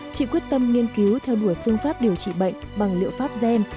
chị quyết tâm nghiên cứu theo đuổi phương pháp điều trị bệnh bằng liệu pháp gen